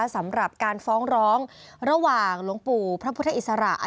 สำหรับการฟ้องร้องระหว่างหลวงปู่พระพุทธอิสระ